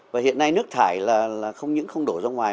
và hiện nay nước thải là không những không đổ ra ngoài